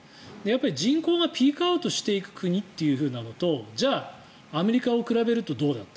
人口がピークアウトしていく国というのとじゃあ、アメリカを比べるとどうだと。